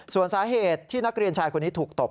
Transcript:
ส่วนสาเหตุที่นักเรียนชายคนนี้ถูกตบ